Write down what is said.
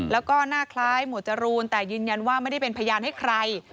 แล้วก็หน้าคล้ายหมวดจรูนแต่ยืนยันว่าไม่ได้เป็นพยานให้ใคร